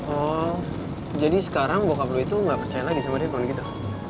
oh jadi sekarang bokap lo itu gak percaya lagi sama devon gitu